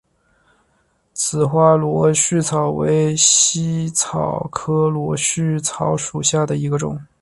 紫花螺序草为茜草科螺序草属下的一个种。